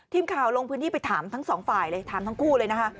ทีมข่าวลงพื้นที่ไปถามทั้งสองฝ่ายเลยถามทั้งคู่เลยนะคะ